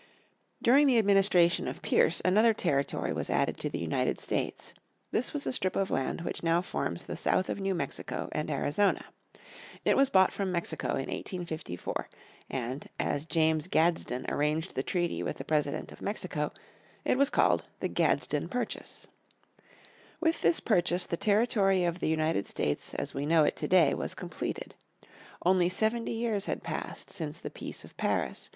During the administration of Pierce another territory was added to the United States. This was a strip of land which now forms the south of New Mexico and Arizona. It was bought from Mexico in 1854 and, as James Gadsden arranged the treaty with the President of Mexico, it was called the Gadsden Purchase. With this purchase the territory of the United States as we know it today was completed. Only seventy years had passed since the Peace of Paris.